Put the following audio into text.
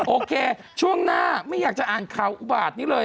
โอเคช่วงหน้าไม่อยากจะอ่านข่าวอุบาตนี้เลย